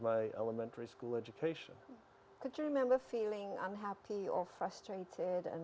dan dengan semua kerja yang dilakukan oleh orang orang saya